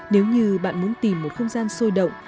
nếu như bạn muốn tìm một không gian sôi động